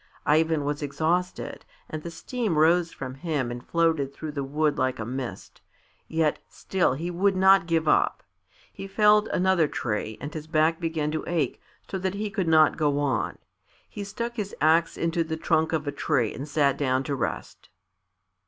Ivan was exhausted, and the steam rose from him and floated through the wood like a mist; yet still he would not give up. He felled another tree and his back began to ache so that he could not go on. He stuck his axe into the trunk of a tree and sat down to rest.